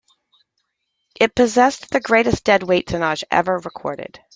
It possessed the greatest deadweight tonnage ever recorded.